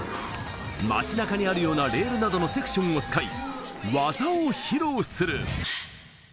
街中にあるようなレールなどのセクションを使い技を披露する。